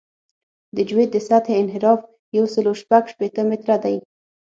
د جیوئید د سطحې انحراف یو سل شپږ شپېته متره دی